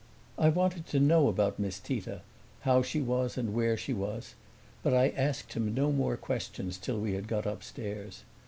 I wanted to know about Miss Tita how she was and where she was but I asked him no more questions till we had got upstairs.